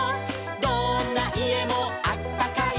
「どんないえもあったかい」